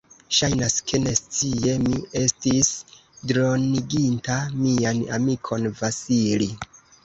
Ŝajnas, ke, nescie, mi estis droniginta mian amikon Vasili.